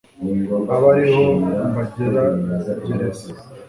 abe ariho mbageragereza